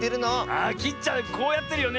あきっちゃんこうやってるよね。